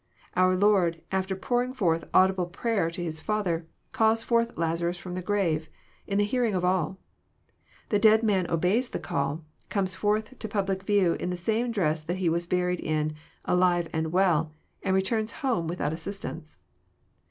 Our Lord, after pouring forth audible prayer to His Father, calls forth Lazarus from the grave, in the hearing of all. The dead man obeys the call, comes forth to public view in the same dress that he was buried in, alive and well, and returns home without assistance.